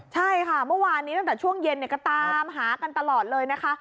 ใช่ค่ะเมื่อวานนี้ตั้งแต่ช่วงเย็นก็ตามหากันตลอดเลยนะคะ